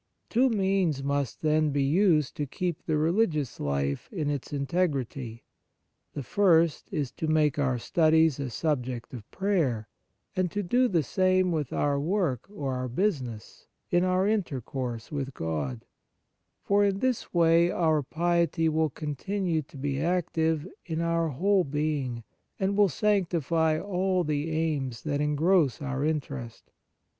Two means must, then, be used to keep the religious life in its integrity. The first is to make our studies a subject of prayer, and to do the same with our work or our business, in our 53 On Piety intercourse with God ; for in this way our piety will continue to be active in our whole being, and will sanctify all the aims that engross our interest.